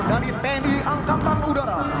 dari tni angkatan udara